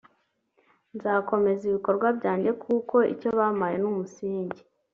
nzakomeza ibikorwa byanjye kuko icyo bampaye ni umusingi